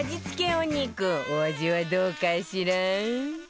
お肉お味はどうかしら？